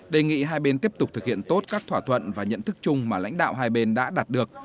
đề nghị hai bên tiếp tục thực hiện tốt các thỏa thuận và nhận thức chung mà lãnh đạo hai bên đã đạt được